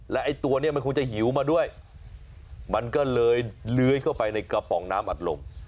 และไอ้ตัวนี้มันคงจะหิวมาด้วยมันก็เลยเลื้อยเข้าไปในกระป๋องน้ำอัดลม